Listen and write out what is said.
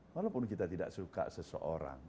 walaupun kita tidak suka seseorang